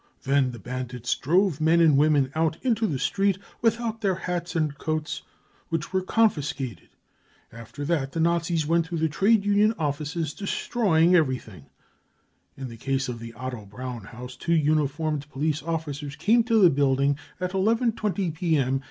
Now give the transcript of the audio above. Then the bandits drove men and women out into the street without their hats and coats, which were confiscated. After that, the Nazis went through the Trade Union offices, destroying everything. <e In the case of the Otto Braun House, two uniformed police officers came to the building at 1 1 .20 p.m.